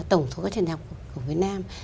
tổng số các trường đại học của việt nam